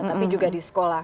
tapi juga di sekolah